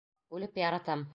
Үлеп яратам.